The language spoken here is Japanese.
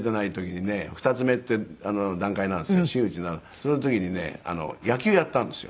その時にね野球やったんですよ。